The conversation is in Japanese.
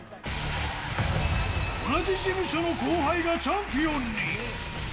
同じ事務所の後輩がチャンピオンに。